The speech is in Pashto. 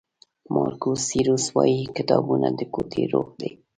مارکوس سیسرو وایي کتابونه د کوټې روح دی.